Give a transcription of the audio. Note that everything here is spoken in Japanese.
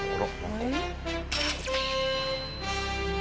えっ？